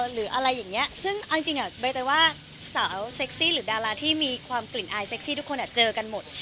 หรืออะไรอย่างนี้ซึ่งเอาจริงใบเตยว่าสาวเซ็กซี่หรือดาราที่มีความกลิ่นอายเซ็กซี่ทุกคนเจอกันหมด